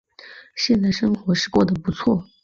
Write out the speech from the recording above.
现在生活是过得不错